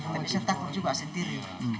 tapi saya takut juga sendiri